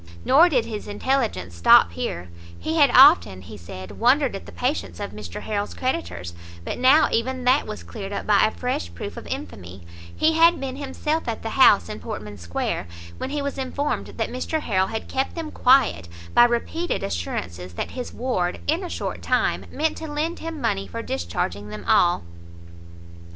Nor did his intelligence stop here; he had often, he said, wondered at the patience of Mr Harrel's creditors, but now even that was cleared up by a fresh proof of infamy; he had been himself at the house in Portmansquare, where he was informed that Mr Harrel had kept them quiet, by repeated assurances that his ward, in a short time, meant to lend him money for discharging them all.